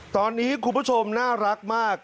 ตอนนี้คุณผู้ชมน่ารักมาก